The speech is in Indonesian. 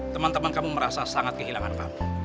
teman teman kamu merasa sangat kehilangan kamu